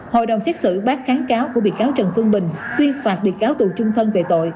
hội đồng xét xử bác kháng cáo của bị cáo trần phương bình tuyên phạt bị cáo tù trung thân về tội